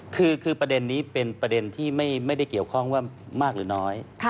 คือประเด็นนี้เป็นประเด็นที่ไม่ได้เกี่ยวข้องว่ามากหรือน้อย